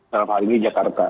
dalam hal ini jakarta